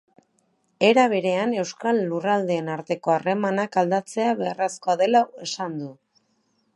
Era berean, euskal lurraldeen arteko harremanak aldatzea beharrezkoa dela esan du.